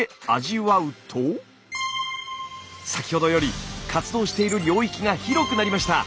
先ほどより活動している領域が広くなりました！